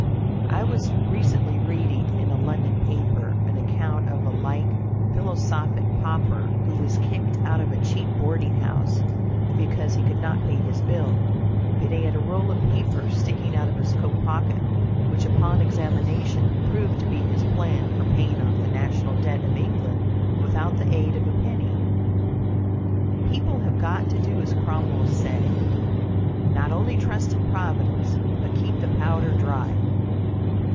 I was recently reading in a London paper an account of a like philosophic pauper who was kicked out of a cheap boarding house because he could not pay his bill, but he had a roll of papers sticking out of his coat pocket, which, upon examination, proved to be his plan for paying off the national debt of England without the aid of a penny. People have got to do as Cromwell said: "not only trust in Providence, but keep the powder dry."